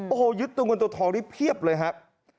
โอ้โหยึดตัวเงินตัวทองได้เพียบเลยครับ